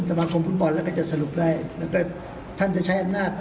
สมาคมฟุตบอลแล้วก็จะสรุปได้แล้วก็ท่านจะใช้อำนาจ